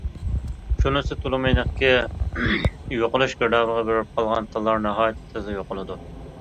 شۇنىسى تولىمۇ ئېنىقكى، يوقىلىش گىردابىغا بېرىپ قالغان تىللار ناھايىتى تېزلا يوقىلىدۇ.